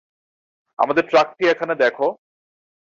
আমাদের ট্রাকটি এখানে দেখো?